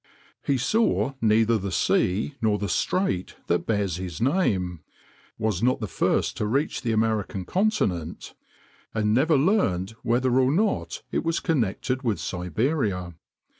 He saw neither the sea nor the strait that bears his name, was not the first to reach the American continent, and never learned whether or not it was connected with Siberia.